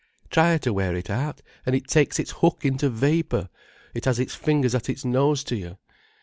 Try to wear it out, and it takes its hook into vapour, it has its fingers at its nose to you.